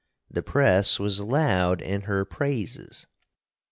The press was loud in her prases.